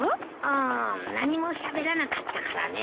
ああ何もしゃべらなかったからね。